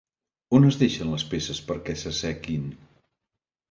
On es deixen les peces perquè s'assequin?